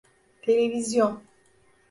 Televizyon…